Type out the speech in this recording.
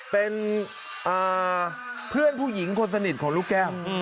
เป็นเพื่อนผู้หญิงคนสนิทของลูกแก้ว